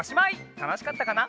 たのしかったかな？